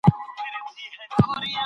چې خپل ژوند به بدلوي.